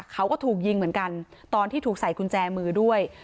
เขาก็ถูกยิงเหมือนกันตอนที่ถูกใส่กุญแจมือด้วย